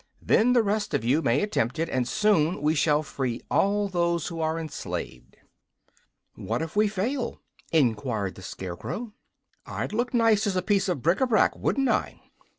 Then the rest of you may attempt it, and soon we shall free all those who are enslaved." "What if we fail?" enquired the Scarecrow. "I'd look nice as a piece of bric a brac, wouldn't I?"